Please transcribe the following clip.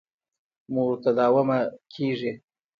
متداومه کېږي.